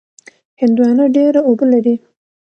هندوانه ډېره اوبه لري.